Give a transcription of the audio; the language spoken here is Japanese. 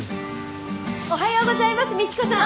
おはようございます倫子さん。